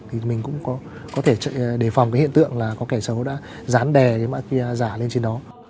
thì mình cũng có thể đề phòng cái hiện tượng là có kẻ xấu đã dán đè cái mã qr giả lên trên đó